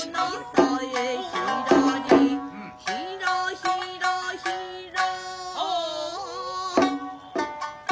「ひらひらひら」